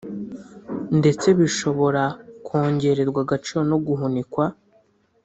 ndetse bishobora kongererwa agaciro no guhunikwa